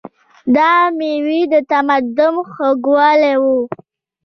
دا مېوې د تمدن خوږوالی و.